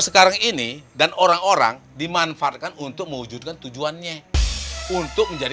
sekarang ini dan orang orang dimanfaatkan untuk mewujudkan tujuannya untuk menjadi